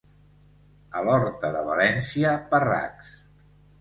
A l'horta de València, parracs.